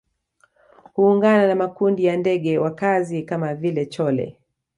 Huungana na makundi ya ndege wakazi kama vile chole